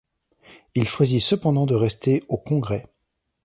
Il choisit cependant de rester au Congrès.